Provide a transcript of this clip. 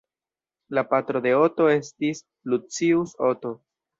La patro de Oto estis Lucius Oto.